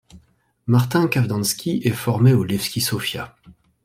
Martin Kavdanski est formé au Levski Sofia.